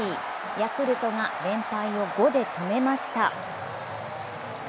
ヤクルトが連敗を５で止めました。